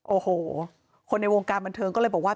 โอ้โหคนในวงการบันเทิงก็เลยบอกว่า